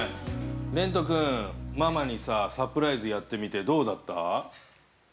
◆れんと君、ママにさあ、サプライズやってみて、どうだった？